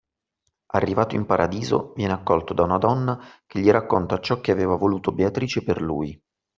Arrivato in Paradiso viene accolto da una donna che gli racconta ciò che aveva voluto Beatrice per lui